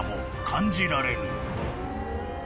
感じられる］